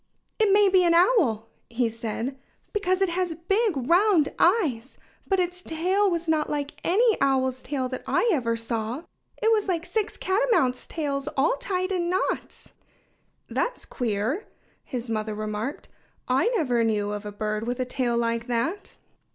"It may be an owl," he said, "because it has big, round eyes. But its tail was not like any owl's tail that I ever saw. It was like six catamounts' tails, all tied in knots." "That's queer!" his mother remarked. "I never knew of a bird with a tail like that."